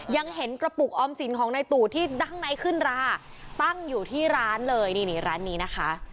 ยังเห็นกระปุกออมสินของในตู่ที่ดั้งในขึ้นราตั้งอยู่ที่ร้านเลยนี่นี่ร้านนี้นะคะ